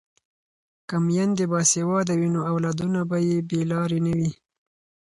که میندې باسواده وي نو اولادونه به یې بې لارې نه وي.